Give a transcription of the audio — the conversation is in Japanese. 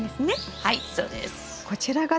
はい。